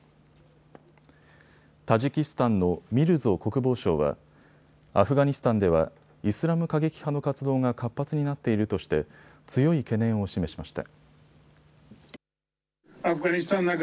タジキスタンのミルゾ国防相はアフガニスタンではイスラム過激派の活動が活発になっているとして強い懸念を示しました。